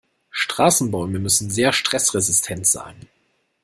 Straßenbäume müssen sehr stressresistent sein.